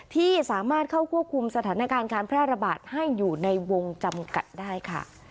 ที่สามารถเข้าควบคุมสถานการณ์การแพร่ระบาดให้อยู่ในวงจำกัดได้ค่ะ